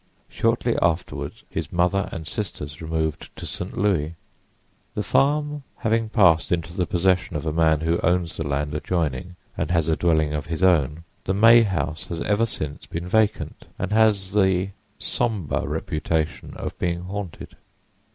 Shortly afterward his mother and sisters removed to St. Louis. The farm having passed into the possession of a man who owns the land adjoining, and has a dwelling of his own, the May house has ever since been vacant, and has the somber reputation of being haunted.